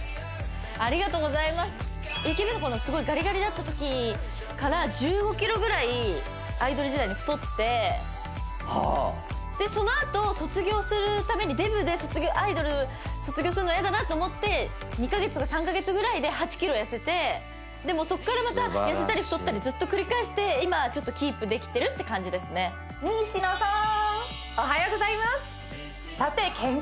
ありがとうございますＡＫＢのころのすごいガリガリだったときから１５ｋｇぐらいアイドル時代に太ってでそのあと卒業するためにデブでアイドル卒業するの嫌だなって思って２カ月とか３カ月ぐらいで８ｋｇ痩せてでもそっからまた痩せたり太ったりずっと繰り返して今ちょっとキープできてるって感じですね西野さん